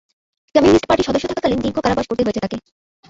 Communist পার্টির সদস্য থাকাকালীন দীর্ঘ দিন কারাবাস করতে হয়েছে তাকে।